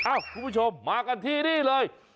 คุณผู้ชมมากันที่นี่เลย